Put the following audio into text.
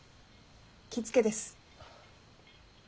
気つけです。